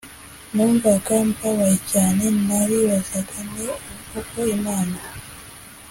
numvaga mbabaye cyane Naribazaga nti ubu koko Imana